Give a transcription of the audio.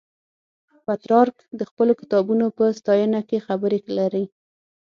پترارک د خپلو کتابونو په ستاینه کې خبرې لري.